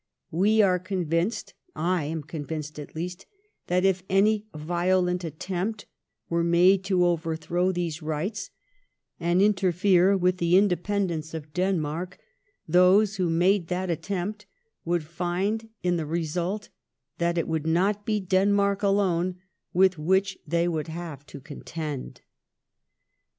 ... We are convinced — I am convinced at least — that if any violent attempt were made to overthrow these rights and interfere £with the independence of Denmark], those who made that attempt would find in the result that it would not he Denmark alone with which they would have to contend.